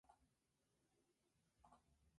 La misma persona podía recibir el premio varias veces.